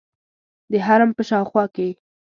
د حرم په شاوخوا کې.